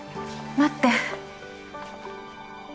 待って。